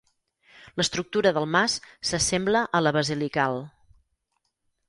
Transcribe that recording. L'estructura del mas s'assembla a la basilical.